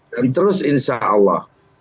dan terus insya allah